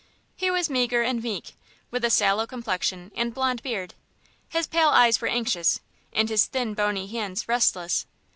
He was meagre and meek, with a sallow complexion and blond beard. His pale eyes were anxious, and his thin, bony hands restless.